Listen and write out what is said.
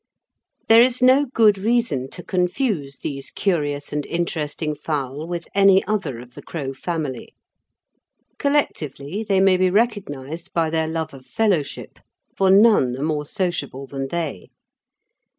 There is no good reason to confuse these curious and interesting fowl with any other of the crow family. Collectively they may be recognised by their love of fellowship, for none are more sociable than they.